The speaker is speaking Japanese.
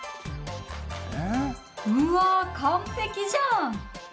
「うわ、完璧じゃん。